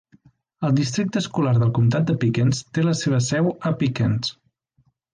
El districte escolar del comtat de Pickens té la seva seu a Pickens.